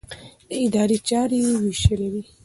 د ادارې چارې يې وېشلې وې.